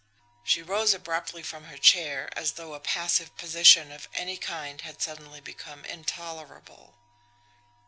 She rose abruptly from her chair, as though a passive position of any kind had suddenly become intolerable.